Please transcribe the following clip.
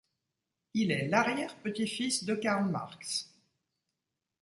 Il est l’arrière-petit-fils de Karl Marx.